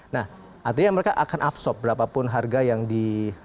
nah artinya mereka akan absorb berapapun harga yang di